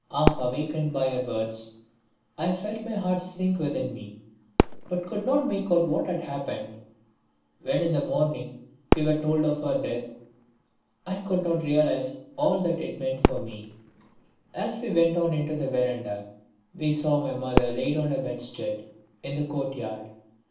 Half awakened by her words, I felt my heart sink within me, but could not make out what had happened. When in the morning we were told of her death, I could not realize all that it meant for me. As we came out into the verandah we saw my mother laid on a bedstead in the courtyard.